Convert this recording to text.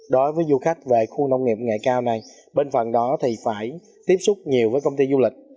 đối với du khách về khu nông nghiệp nghệ cao này bên phần đó thì phải tiếp xúc nhiều với công ty du lịch